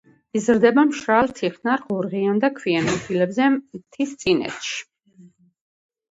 იზრდება მშრალ, თიხნარ, ღორღიან და ქვიან ადგილებზე მთისწინეთში.